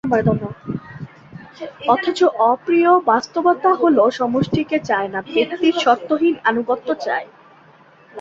অথচ অপ্রিয় বাস্তবতা হলো সমষ্টিকে চাই না, ব্যক্তির শর্তহীন আনুগত্য চাই।